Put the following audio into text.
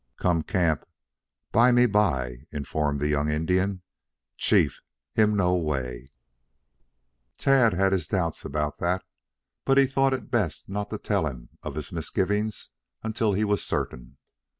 "Come camp bymeby," informed the young Indian. "Chief, him know way." Tad had his doubts about that, but he thought it best not to tell them of his misgivings until he was certain.